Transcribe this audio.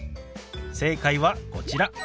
正解はこちら。